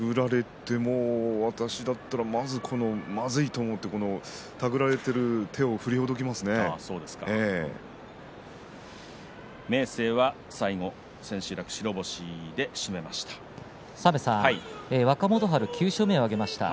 手繰られても私だったらまずまずいと思って手繰られている手を明生は最後若元春が９勝目を挙げました。